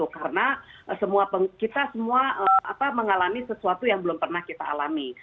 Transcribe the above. karena kita semua mengalami sesuatu yang belum pernah kita alami